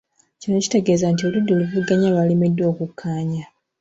Kino kitegeeza nti oludda oluvuganya lwalemeddwa okukkaanya.